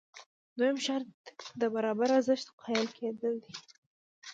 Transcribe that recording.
دویم شرط د برابر ارزښت قایل کېدل دي.